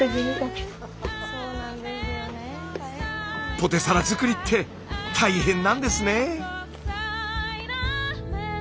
ポテサラ作りって大変なんですね！